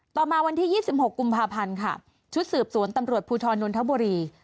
ต่อมาวันที่๒๖กุมภาพันธ์ค่ะชุดสืบสวนตำรวจภูทรนนทบุรี